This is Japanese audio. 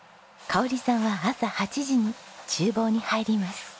香織さんは朝８時に厨房に入ります。